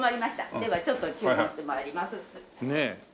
ではちょっと注文して参ります。